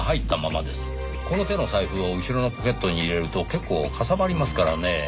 この手の財布を後ろのポケットに入れると結構かさばりますからねぇ。